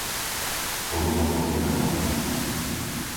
Poruba pod Vihorlatom